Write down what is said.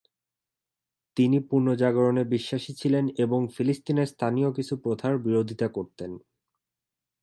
তিনি পুনর্জাগরণে বিশ্বাসী ছিলেন এবং ফিলিস্তিনের স্থানীয় কিছু প্রথার বিরোধিতা করতেন।